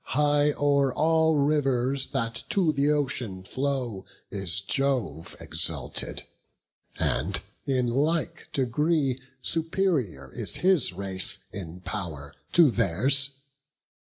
High o'er all rivers, that to th' ocean flow, Is Jove exalted; and in like degree Superior is his race in pow'r to theirs.